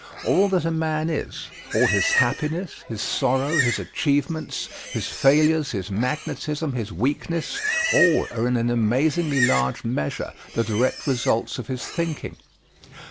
All that a man is, all his happiness, his sorrow, his achievements, his failures, his magnetism, his weakness, all are in an amazingly large measure the direct results of his thinking.